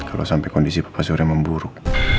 kalau sampai kondisi papa sura yang memburuk